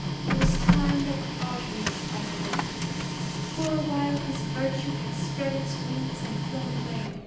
It was time that the artery was bound up. For a while his virtue had spread its wings and flown away.